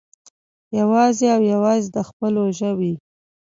يوازې او يوازې د خپلو ژبې